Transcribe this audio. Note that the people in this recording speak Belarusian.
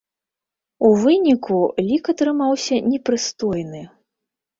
У выніку, лік атрымаўся непрыстойны.